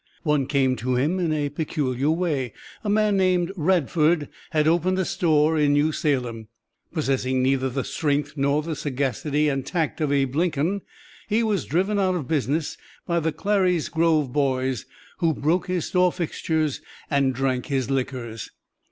One came to him in a peculiar way. A man named Radford had opened a store in New Salem. Possessing neither the strength nor the sagacity and tact of Abe Lincoln, he was driven out of business by the Clary's Grove Boys, who broke his store fixtures and drank his liquors.